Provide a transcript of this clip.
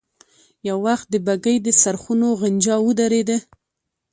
يو وخت د بګۍ د څرخونو غنجا ودرېده.